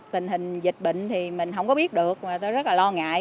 tình hình dịch bệnh thì mình không có biết được mà tôi rất là lo ngại